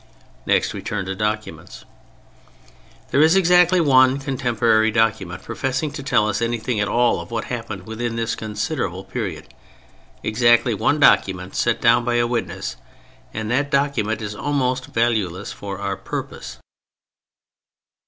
Next we turn to documents. There is exactly one contemporary document professing to tell us anything at all of what happened within this considerable period, exactly one document set down by a witness; and that document is almost valueless for our purpose.